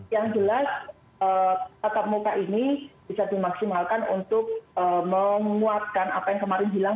yang jelas tatap muka ini bisa dimaksimalkan untuk menguatkan apa yang kemarin hilang